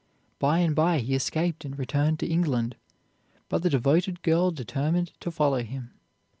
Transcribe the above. By and by he escaped and returned to England, but the devoted girl determined to follow him.